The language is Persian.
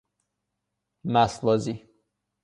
مستبازی